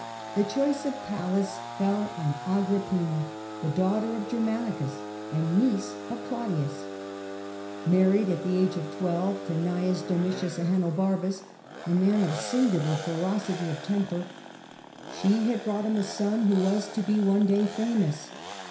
The choice of Pallas fell on Agrippina, the daughter of Agrippina, Germanicus and niece of Claudius. Mar carries^^off ried at the age of twelve to Cn. Domitiiis the prize, Ahenobarbus, a man of singular ferocity of temper, she had brought him a son who was to be one day famous.